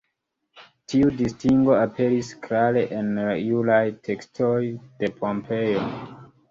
Tiu distingo aperis klare en la juraj tekstoj de Pompejo.